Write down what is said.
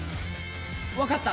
わかった！